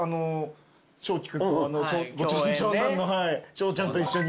翔ちゃんと一緒に。